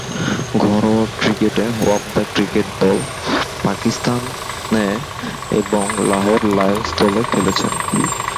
ঘরোয়া ক্রিকেটে ওয়াপদা ক্রিকেট দল, পাকিস্তান এ এবং লাহোর লায়ন্স দলে খেলছেন।